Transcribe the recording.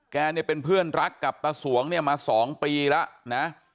แกเนี่ยเป็นเพื่อนรักกับตาสวงเนี่ยมา๒ปีแล้วนะ